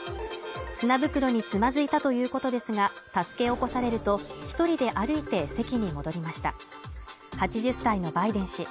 砂袋につまずいたということですが、助け起こされると、１人で歩いて席に戻りました８０歳のバイデン氏。